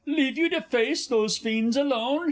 leave you to face those fiends alone!"